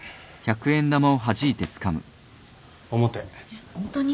えっホントに？